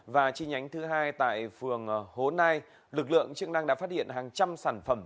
và chi nhánh thứ hai tại phường hố nai lực lượng chức năng đã phát hiện hàng trăm sản phẩm